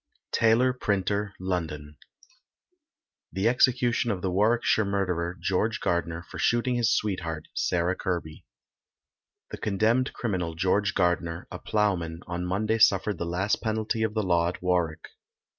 Taylor, Printer, London. EXECUTION OF THE WARWICKSHIRE MURDERER, GEORGE GARDNER, For shooting his sweetheart, Sarah Kirby. The condemned criminal, George Gardner, a ploughman, on Monday suffered the last penalty of the law at Warwick.